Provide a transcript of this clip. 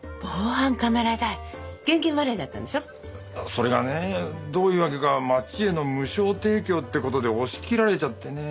それがねどういうわけか町への無償提供って事で押し切られちゃってね。